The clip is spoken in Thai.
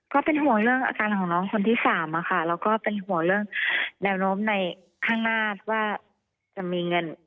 ก็เป็นห่วงเรื่องอาการของน้องคนที่สามอะค่ะแล้วก็เป็นห่วงเรื่องแนวโน้มในข้างหน้าว่าจะมีเงิน